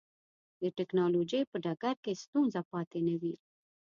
د ټکنالوجۍ په ډګر کې ستونزه پاتې نه وي.